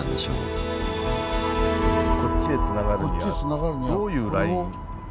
こっちへつながるにはどういうライン？